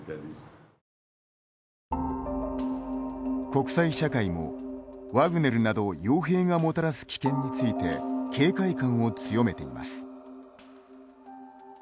国際社会も、ワグネルなどよう兵がもたらす危険について警戒感を強めています。